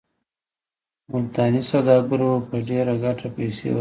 ملتاني سوداګرو به په ډېره ګټه پیسې ورکولې.